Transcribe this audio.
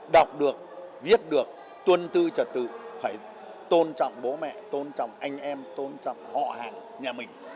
đọc được viết được tuân tư trật tự phải tôn trọng bố mẹ tôn trọng anh em tôn trọng họ hàng nhà mình